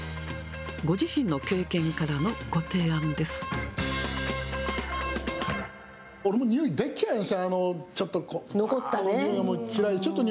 ご自身の経験からのご提案です。